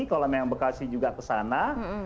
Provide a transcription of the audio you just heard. kalau memang bekasi juga kesana